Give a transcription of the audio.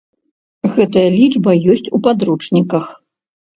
Гэтая лічба ёсць у падручніках.